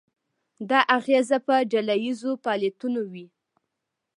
دا اغیزه په ډله ییزو فعالیتونو وي.